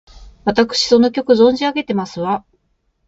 わたくしその曲、存じ上げてますわ！